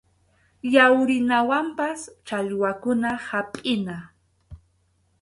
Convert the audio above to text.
Yawrinawanpas challwakuna hapʼina.